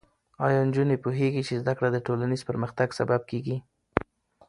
ایا نجونې پوهېږي چې زده کړه د ټولنیز پرمختګ سبب کېږي؟